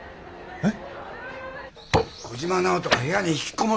えっ？